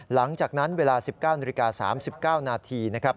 หลังจากนั้นเวลา๑๙นาฬิกา๓๙นาทีนะครับ